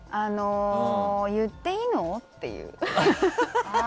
言っていいの？っていう。